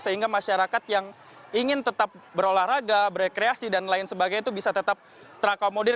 sehingga masyarakat yang ingin tetap berolahraga berekreasi dan lain sebagainya itu bisa tetap terakomodir